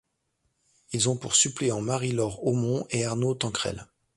Ils ont pour suppléants Marie-Laure Aumond et Arnaud Tanquerel.